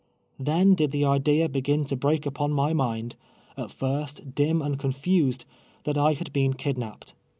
Then did the idea begin to 1)reak upon my mind, at first dim and confused, that I had been kidnapped.